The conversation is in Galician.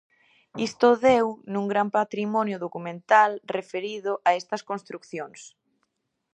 Isto deu nun gran patrimonio documental referido a estas construcións.